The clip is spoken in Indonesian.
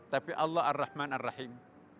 tapi allah ar rahman ar rahim